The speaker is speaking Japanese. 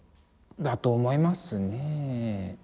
だと思いますね。